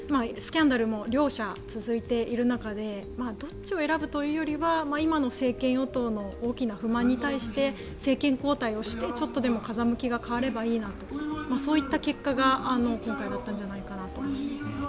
スキャンダルも両者続いている中でどっちを選ぶというよりは今の政権与党の大きな不満に対して政権交代をしてちょっとでも風向きが変わればいいなとそういった結果が今回だったんじゃないかなと思います。